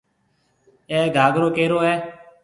اَي گھاگرو ڪَيرو هيَ۔